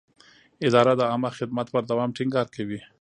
اداره د عامه خدمت پر دوام ټینګار کوي.